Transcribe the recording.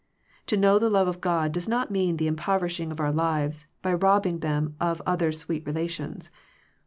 To know the love of God does not mean the impoverishing of our lives, by robbing them of their other sweet re lations.